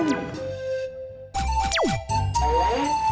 tuh itu emang lo